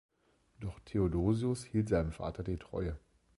Doch Theodosios hielt seinem Vater die Treue.